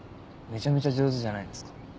めちゃめちゃ上手じゃないですか。